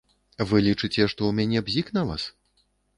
Вы лічыце, што ў мяне бзік на вас?